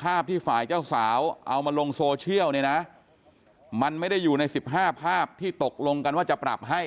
ภาพที่ฝ่ายเจ้าสาวเอามาลงโซเชียลเนี่ยนะมันไม่ได้อยู่ใน๑๕ภาพที่ตกลงกันว่าจะปรับให้